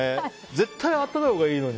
絶対暖かいほうがいいのに。